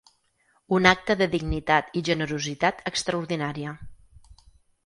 Un acte de dignitat i generositat extraordinària.